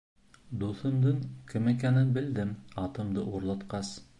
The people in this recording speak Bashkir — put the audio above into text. Дуҫымдың кем икәнен белдем, атымды урлатҡас.